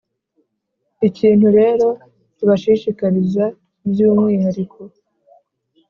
ikintu rero tubashishikariza by’umwihariko,